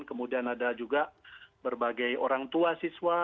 kemudian ada juga berbagai orang tua siswa